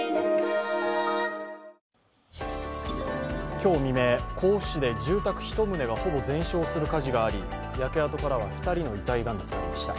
今日未明、甲府市で住宅１棟がほぼ全焼する火事があり焼け跡からは２人の遺体が見つかりました。